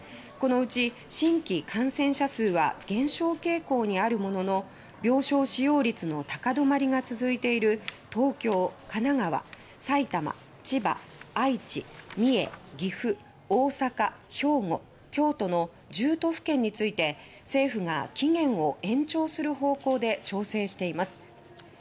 このうち、新規感染者数は減少傾向にあるものの病床使用率の高止まりが続いている東京、神奈川、埼玉、千葉愛知、三重、岐阜大阪、兵庫、京都の１０都府県について政府が期限を延長する方向で調整しています。